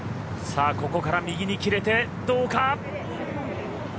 ここから右に切れて、どうか？